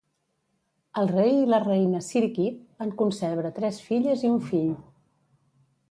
El rei i la reina Sirikit van concebre tres filles i un fill.